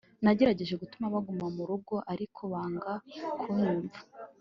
nagerageje gutuma baguma mu rugo, ariko banga kunyumva